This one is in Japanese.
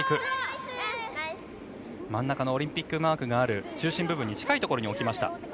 真ん中のオリンピックマークがある中心部分に近いところに置きます。